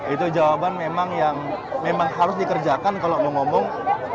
itu jawaban memang yang harus dikerjakan kalau mau ngomong dua ribu dua puluh empat